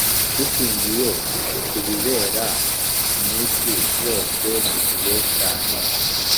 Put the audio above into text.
dushingiye ku bibera mu isi yose mu gihe cya none